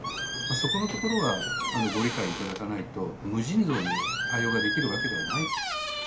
そこのところがご理解いただかないと、無尽蔵に対応ができるわけではない。